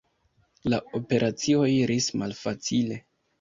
La operacio iris malfacile.